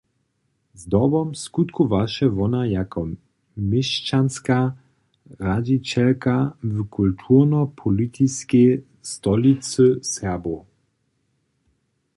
Zdobom skutkowaše wona jako měšćanska radźićelka w kulturno-politiskej stolicy Serbow.